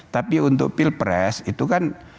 tapi untuk pilpres itu kan